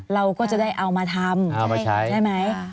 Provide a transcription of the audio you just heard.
เราก็จะได้เอามาทำใช่ไหม